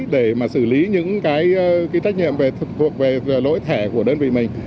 để xử lý những trách nhiệm thuộc về lỗi thẻ của đơn vị mình